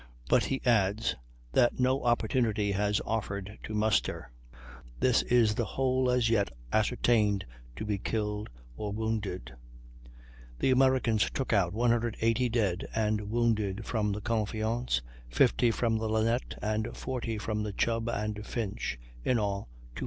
But he adds "that no opportunity has offered to muster this is the whole as yet ascertained to be killed or wounded." The Americans took out 180 dead and wounded from the Confiance, 50 from the Linnet, and 40 from the Chubb and Finch; in all, 270.